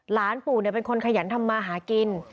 หลานปู่เป็นคนขยันทำมาหากิน